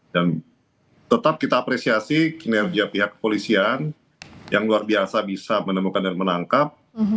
dan tetap kita apresiasi kinerja pihak kepolisian yang luar biasa bisa menemukan dan menangkap